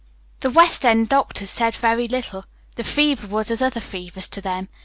The West End doctors said very little. This fever was as other fevers to them.